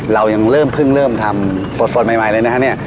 เรายังเริ่มเพิ่งเริ่มทำสดใหม่เลยนะฮะเนี่ย